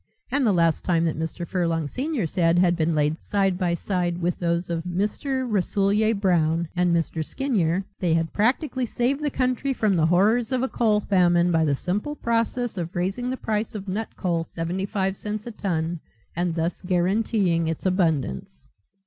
And the last time that Mr. Furlong senior's head had been laid side by side with those of Mr. Rasselyer Brown and Mr. Skinyer, they had practically saved the country from the horrors of a coal famine by the simple process of raising the price of nut coal seventy five cents a ton and thus guaranteeing its abundance.